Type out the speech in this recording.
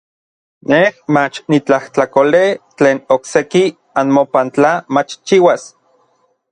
Nej mach nitlajtlakolej tlen okseki anmopan tla machchiuas.